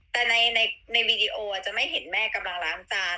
แต่ในวีดีโอจะไม่เห็นแม่กำลังล้างจาน